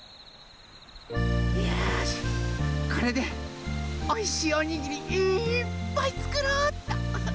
よしこれでおいしいおにぎりいっぱいつくろうっと。